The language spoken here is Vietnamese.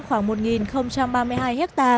khoảng một ba mươi hai hectare